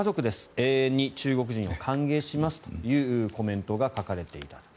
永遠に中国人を歓迎しますというコメントが書かれていた。